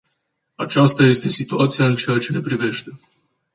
Aceasta este situația în ceea ce ne privește.